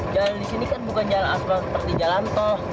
jalan di sini kan bukan jalan aspal seperti jalan tol